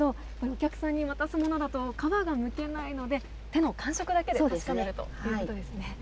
お客さんに渡すものだと皮がむけないので、手の感触だけで確かめるということですね。